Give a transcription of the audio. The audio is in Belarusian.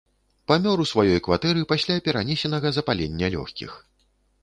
Памёр у сваёй кватэры пасля перанесенага запалення лёгкіх.